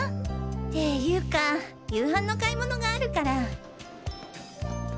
ていうか夕飯の買い物があるから。